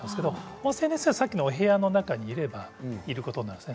音声ＳＮＳはさっきの部屋の中にいればいることになるんですね。